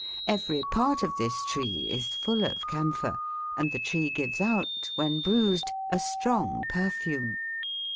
Every part of this tree is full of camphor, and the tree gives out, when bruised, a strong perfume.